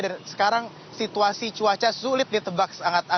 dan sekarang situasi cuaca sulit ditebak sangat banyak